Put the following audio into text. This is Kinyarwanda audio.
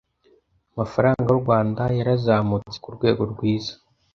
amafaranga y’ u Rwanda yarazamutse kurwego rwiza